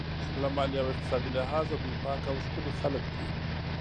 له مالي او اقتصادي لحاظه دوی پاک او ښکلي خلک دي.